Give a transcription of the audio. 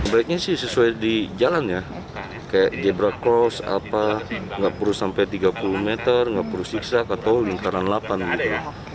brake nya sih sesuai di jalan ya kayak zebra cross gak perlu sampai tiga puluh meter gak perlu siksa atau lingkaran delapan gitu